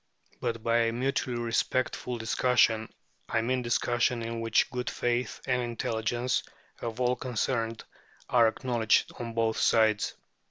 But by a "mutually respectful discussion" I mean discussion in which good faith and intelligence of all concerned are acknowledged on both sides.